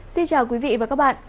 xin chào quý vị và các bạn